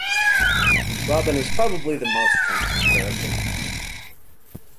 Robyn is the probably the most functional character.